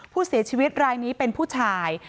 ผู้เสียชีวิตรายนี้เป็นผู้ชาย